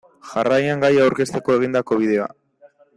Jarraian gaia aurkezteko egindako bideoa.